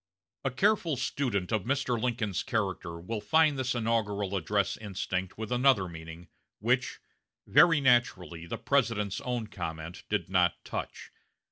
A careful student of Mr. Lincoln's character will find this inaugural address instinct with another meaning, which, very naturally, the President's own comment did not touch.